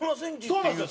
そうなんですよ。